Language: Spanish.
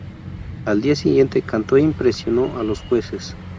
Al día siguiente cantó e impresionó a los jueces.